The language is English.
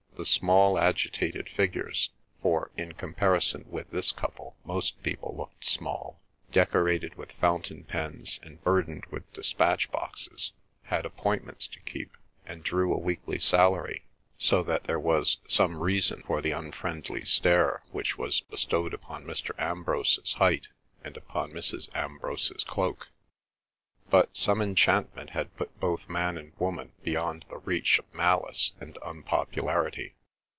The small, agitated figures—for in comparison with this couple most people looked small—decorated with fountain pens, and burdened with despatch boxes, had appointments to keep, and drew a weekly salary, so that there was some reason for the unfriendly stare which was bestowed upon Mr. Ambrose's height and upon Mrs. Ambrose's cloak. But some enchantment had put both man and woman beyond the reach of malice and unpopularity.